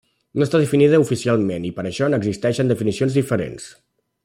No està definida oficialment i per això n'existeixen definicions diferents.